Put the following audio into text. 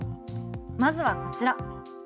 まずはこちら。